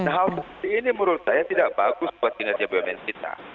hal seperti ini menurut saya tidak bagus buat kinerja bumn kita